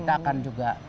kita akan juga